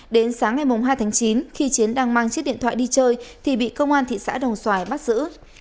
đến sáng ngày hai tháng chín khi chiến đang mang chiếc điện thoại đi chơi thì bị công an thị xã đồng xoài bắt giữ